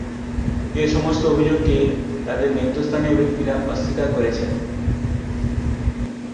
এসমস্ত অভিযোগ কে তাদের নেতৃস্থানীয় ব্যক্তিরা অস্বীকার করেছেন।